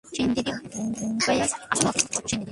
সেনদিদি শুইয়া ছিল, আচ্ছন্ন অসুস্থ, মৃতকল্প সেনদিদি।